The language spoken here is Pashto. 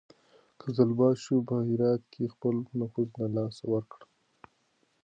قزلباشو په هرات کې خپل نفوذ له لاسه ورکړ.